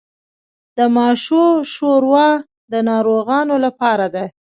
د ماشو شوروا د ناروغانو لپاره ده.